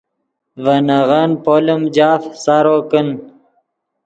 ڤے نغن پولیم جاف سارو کن